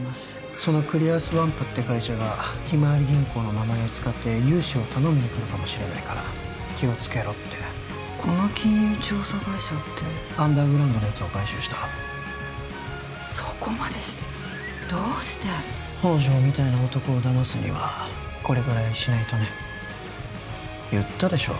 そのクリアスワンプって会社がひまわり銀行の名前を使って融資を頼みに来るかもしれないから気をつけろってこの金融調査会社ってアンダーグラウンドのやつを買収したそこまでしてどうして宝条みたいな男をだますにはこれぐらいしないとね言ったでしょ